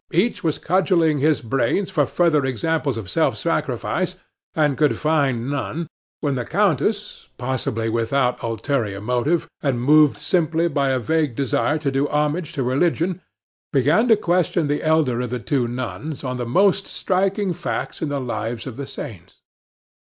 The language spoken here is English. Each was cudgeling his brains for further examples of self sacrifice, and could find none, when the countess, possibly without ulterior motive, and moved simply by a vague desire to do homage to religion, began to question the elder of the two nuns on the most striking facts in the lives of the saints.